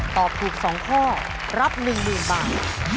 ตอบถูก๒ข้อรับ๑๐๐๐บาท